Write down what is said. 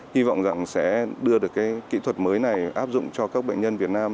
hy vọng rằng sẽ đưa được cái kỹ thuật mới này áp dụng cho các bệnh nhân việt nam